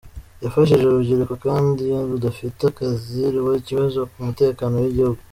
Yafashije urubyiruko kandi iyo rudafite akazi ruba ikibazo ku mutekano w’igihugu.